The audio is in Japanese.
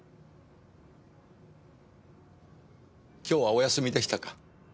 今日はお休みでしたか？